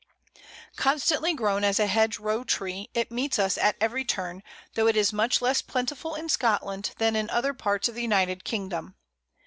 Constantly grown as a hedgerow tree, it meets us at every turn, though it is much less plentiful in Scotland than in other parts of the United Kingdom.